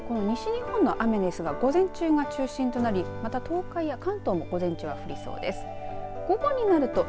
そして西日本の雨ですが午前中が中心となりまた東海や関東も午前中は降りそうです。